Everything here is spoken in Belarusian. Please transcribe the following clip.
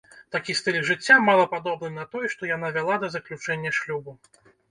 Такі стыль жыцця мала падобны на той, што яна вяла да заключэння шлюбу.